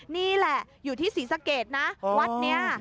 นี่แหละอยู่ที่ศรีสะเกดนะวัดนี้